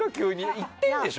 行ってるんでしょ？